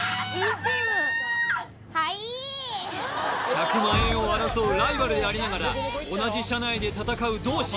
１００万円を争うライバルでありながら同じ車内で戦う同志